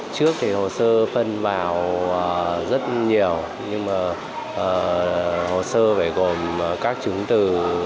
trước thì hồ sơ phân vào rất nhiều nhưng mà hồ sơ phải gồm các chứng từ